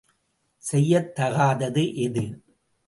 செய்யத் தகாதது எது?